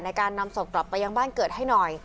ในการนำศพกลับไปยังบ้านเกิดให้หน่อย